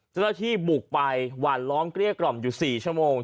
เจ้าหน้าที่บุกไปหวานล้อมเกลี้ยกล่อมอยู่๔ชั่วโมง